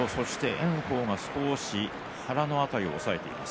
炎鵬が腹の辺りを押さえています。